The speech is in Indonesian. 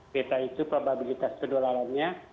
beta itu probabilitas penyebarannya